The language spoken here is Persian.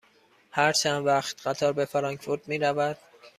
هر چند وقت قطار به فرانکفورت می رود؟